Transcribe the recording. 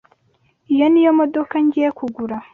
Iyo niyo modoka ngiye kugura.